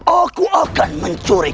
aku akan mencuri